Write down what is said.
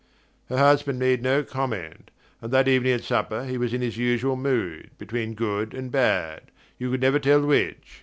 Her husband made no comment, and that evening at supper he was in his usual mood, between good and bad: you could never tell which.